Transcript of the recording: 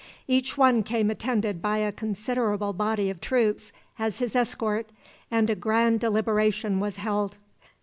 Each one came attended by a considerable body of troops as his escort, and a grand deliberation was held.